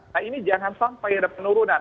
nah ini jangan sampai ada penurunan